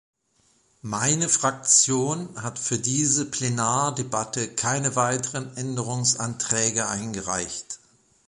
Meine Fraktion hat für diese Plenardebatte keine weiteren Änderungsanträge eingereicht.